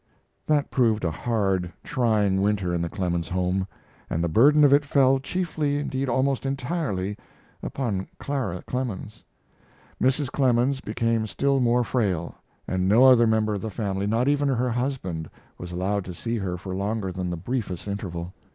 That proved a hard, trying winter in the Clemens home, and the burden of it fell chiefly, indeed almost entirely, upon Clara Clemens. Mrs. Clemens became still more frail, and no other member of the family, not even her husband, was allowed to see her for longer than the briefest interval.